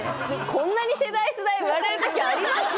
こんなに世代世代言われる時あります？